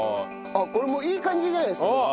これもういい感じじゃないですか？